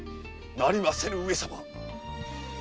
なりませぬ上様！